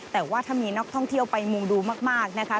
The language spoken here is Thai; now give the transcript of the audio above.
แต่ว่าถ้ามีนักท่องเที่ยวไปมุงดูมากนะคะ